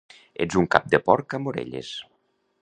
Ets un cap de porc amb orelles!